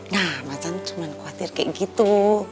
nah macan cuma khawatir kayak gitu